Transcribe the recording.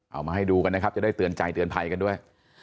เอามาให้ดูกันนะครับจะได้เตือนใจเตือนภัยกันด้วย